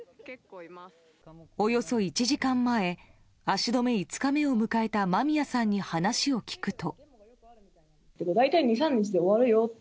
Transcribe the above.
およそ１時間前足止め５日目を迎えたまみやさんに、話を聞くと。